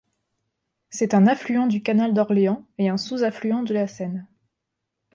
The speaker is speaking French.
C'est un affluent du canal d'Orléans et un sous-affluent de la Seine.